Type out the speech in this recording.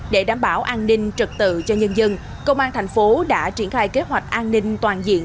để đảm bảo an ninh trật tự cho nhân dân công an thành phố đã triển khai kế hoạch an ninh toàn diện